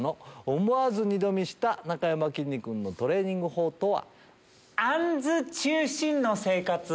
思わず二度見したなかやまきんに君のトレーニング法とは？